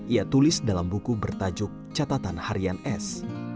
ia tulis dalam buku bertajuk catatan harian s